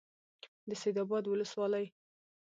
د سید آباد ولسوالۍ